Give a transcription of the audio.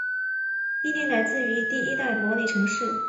意念来自第一代模拟城市。